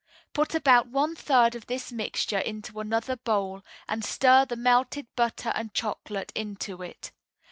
Put about one third of this mixture into another bowl, and stir the melted butter and chocolate into it.